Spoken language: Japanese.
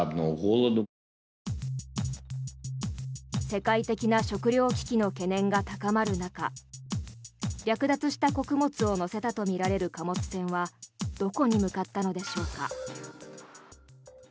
世界的な食糧危機の懸念が高まる中略奪した穀物を載せたとみられる貨物船はどこに向かったのでしょうか。